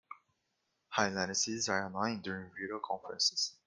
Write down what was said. High latencies are annoying during video conferences.